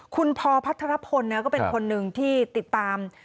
คุณพอพัทรพลก็เป็นคนหนึ่งที่ติดตาม